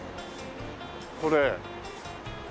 これ。